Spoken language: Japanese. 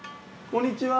「こんにちは」